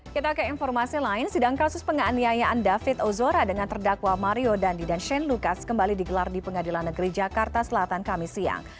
kita ke informasi lain sidang kasus penganiayaan david ozora dengan terdakwa mario dandi dan shane lucas kembali digelar di pengadilan negeri jakarta selatan kami siang